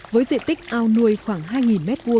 với diện tích ao nuôi khoảng hai m hai